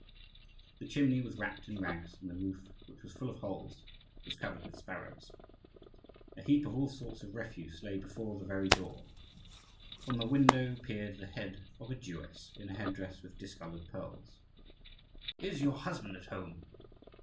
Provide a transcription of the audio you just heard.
The chimney was wrapped in rags; and the roof, which was full of holes, was covered with sparrows. A heap of all sorts of refuse lay before the very door. From the window peered the head of a Jewess, in a head dress with discoloured pearls. "Is your husband at home?"